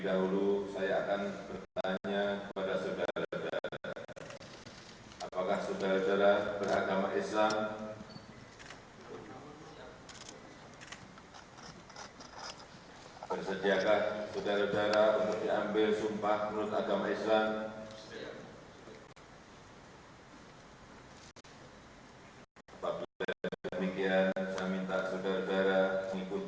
lalu kebangsaan indonesia baik